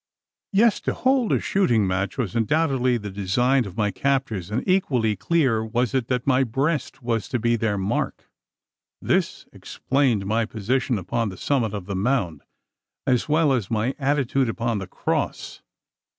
Yes to hold a shooting match was undoubtedly the design of my captors; and equally clear was it that my breast was to be their mark. This explained my position upon the summit of the mound, as well as my attitude upon the cross.